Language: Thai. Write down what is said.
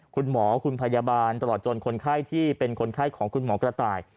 คุณหมอคุณพยาบาลตลอดจนคนไข้ที่เป็นคนไข้ของคุณหมอกระต่าย